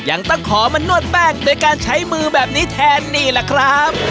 ยังต้องขอมานวดแป้งโดยการใช้มือแบบนี้แทนนี่แหละครับ